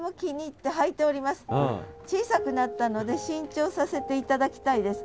小さくなったので新調させて頂きたいです。